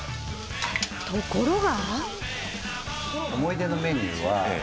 ところが。